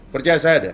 percaya saya deh